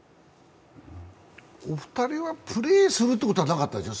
お二人はプレーするということはなかったでしょう。